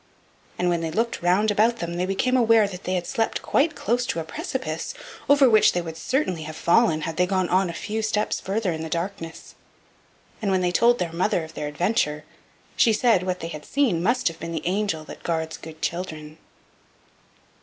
And when they looked round about them they became aware that they had slept quite close to a precipice, over which they would certainly have fallen had they gone on a few steps further in the darkness. And when they told their mother of their adventure, she said what they had seen must have been the angel that guards good children.